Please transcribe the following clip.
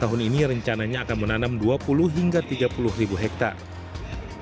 tahun ini rencananya akan menanam dua puluh hingga tiga puluh ribu hektare